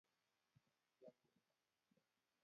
Yomune?